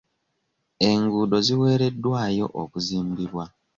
Enguudo ziweereddwayo okuzimbibwa.